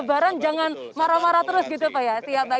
bareng jangan marah marah terus gitu pak ya